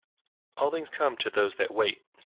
All things come to those that wait.